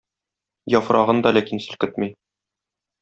Яфрагын да ләкин селкетми.